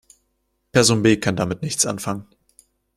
Person B kann damit nichts anfangen.